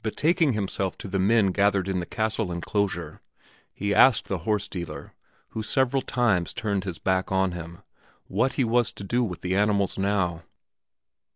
Betaking himself to the men gathered in the castle inclosure, he asked the horse dealer, who several times turned his back on him, what he was to do with the animals now.